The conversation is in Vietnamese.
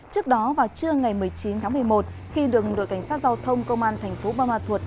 trước đó vào trưa ngày một mươi chín tháng một mươi một khi đường đội cảnh sát giao thông công an thành phố buôn ma thuột